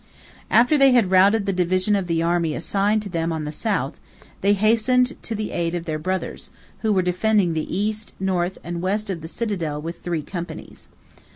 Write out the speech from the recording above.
After they had routed the division of the army assigned to them on the south, they hastened to the aid of their brothers, who were defending the east, north, and west of the citadel with three companies.